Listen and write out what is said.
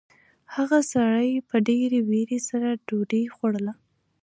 هغه سړي په ډېرې وېرې سره ډوډۍ خوړله.